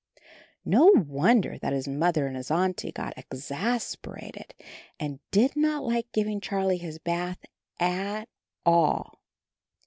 No wonder that his Mother and his Auntie got ex as per a ted, and did not hke giving Charlie his bath at all.